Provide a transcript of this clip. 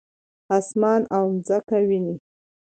اسمان او مځکه وینې؟